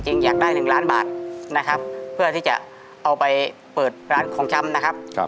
อยากได้๑ล้านบาทนะครับเพื่อที่จะเอาไปเปิดร้านของช้ำนะครับ